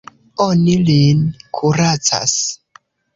Oni lin kuracas.